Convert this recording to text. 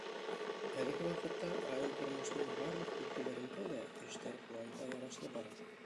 Әлеге ваҡытта район тормошоноң барлыҡ өлкәләрендә лә эштәр планға ярашлы бара.